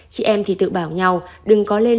chị em thì tự bảo nhau đừng có lên